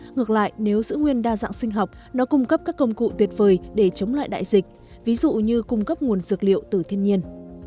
ngược lại nếu giữ nguyên đa dạng sinh học nó cung cấp các công cụ tuyệt vời để chống lại đại dịch ví dụ như cung cấp nguồn dược liệu từ thiên nhiên